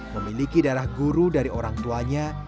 memiliki darah guru dari orang tuanya